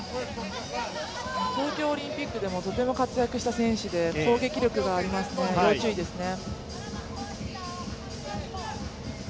東京オリンピックでもとても活躍した選手で攻撃力がありますね、要注意ですね。